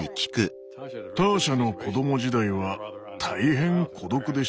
ターシャの子供時代は大変孤独でした。